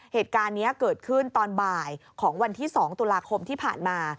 เหตุการณ์นี้เกิดขึ้นตอนบ่ายของวันที่๒ตุลาคมที่ผ่านมา